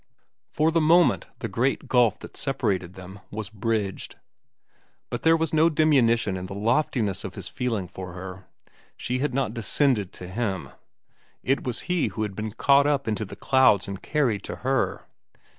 For the moment the great gulf that separated them was bridged. But there was no diminution in the loftiness of his feeling for her. She had not descended to him. It was he who had been caught up into the clouds and carried to her.